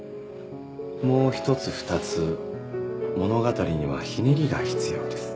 もう１つ２つ物語にはひねりが必要です